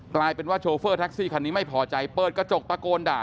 กลายเป็นว่าโชเฟอร์แท็กซี่คันนี้ไม่พอใจเปิดกระจกตะโกนด่า